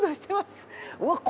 うわっ